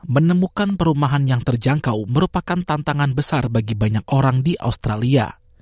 menemukan perumahan yang terjangkau merupakan tantangan besar bagi banyak orang di australia